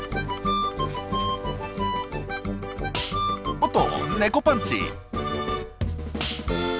おっと猫パンチ！